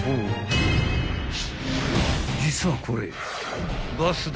［実はこれ］